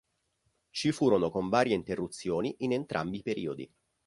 Ci furono con varie interruzioni in entrambi i periodi.